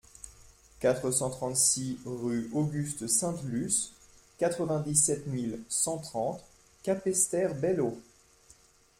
quatre cent trente-six rue Auguste Sainte-Luce, quatre-vingt-dix-sept mille cent trente Capesterre-Belle-Eau